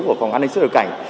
của phòng an ninh sức lực cảnh